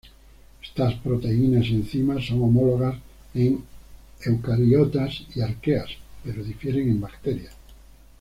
Estas proteínas y enzimas son homólogas en eucariotas y arqueas, pero difieren en bacterias.